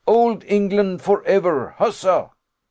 Old England for ever, huzza!